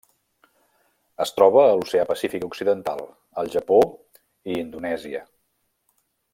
Es troba a l'Oceà Pacífic occidental: el Japó i Indonèsia.